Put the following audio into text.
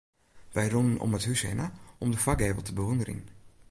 Wy rûnen om it hús hinne om de foargevel te bewûnderjen.